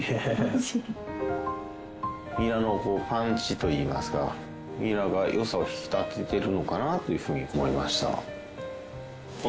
ニラのパンチといいますかニラが良さを引き立ててるのかなというふうに思いました。